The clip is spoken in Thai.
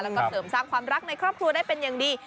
แล้วก็เสริมสร้างความรักในครอบครัวได้เป็นอย่างดี